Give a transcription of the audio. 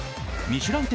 「ミシュラン」